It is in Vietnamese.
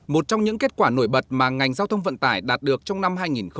một trong những kết quả nổi bật mà ngành giao thông vận tải đạt được trong năm hai nghìn một mươi chín